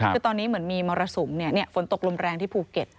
คือตอนนี้เหมือนมีมรสุมฝนตกลมแรงที่ภูเก็ต